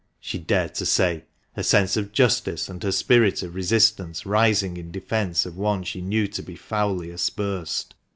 she dared to say, her sense of justice and her spirit of resistance rising in defence of one she knew to be foully aspersed.